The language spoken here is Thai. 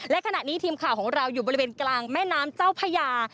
และขณะนี้ทีมข่าวของเราอยู่บริเวณกลางแม่น้ำเจ้าพญา